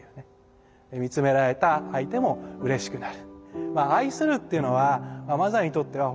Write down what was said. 見つめられた相手もうれしくなる。